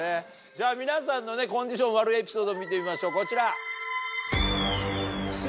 じゃ皆さんのねコンディション悪いエピソード見てみましょうこちら。